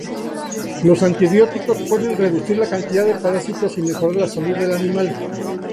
Los antibióticos pueden reducir la cantidad de parásitos y mejorar la salud del animal.